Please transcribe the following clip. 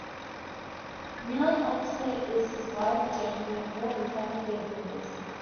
Kneeling opposite is his wife Jane Whitmore in front of their daughters.